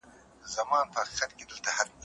ښوونکی د ماشومانو وړتیا ته پاملرنه کوي.